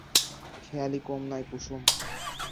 খেয়ালি কম নয় কুসুম।